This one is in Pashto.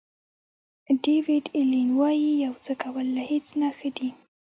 ډیویډ الین وایي یو څه کول له هیڅ نه ښه دي.